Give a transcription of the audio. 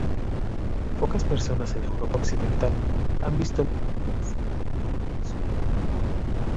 Pocas personas en Europa occidental han visto nunca una sanguijuela en su medio natural.